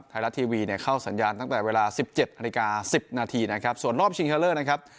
ไทยรัฐทีวีเนี่ยเข้าสัญญาณตั้งแต่เวลาสิบเจ็ดนาฬิกาสิบนาทีนะครับส่วนรอบชิงชะเลิศนะครับ